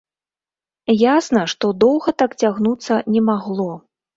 Ясна, што доўга так цягнуцца не магло.